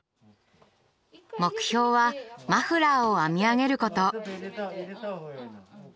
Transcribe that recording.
目標はマフラーを編み上げること。